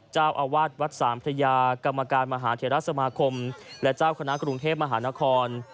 เจ้าอาวาสวัดสามพระยากรรมการมหาเทราสมาคมและเจ้าคณะกรุงเทพมหานคร